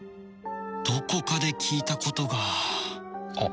どこかで聞いたことがあっ。